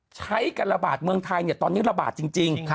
การระบาดเมืองไทยตอนนี้ระบาดจริง